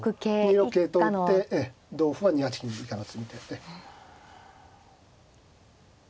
２六桂と打って同歩は２八金以下の詰みですね。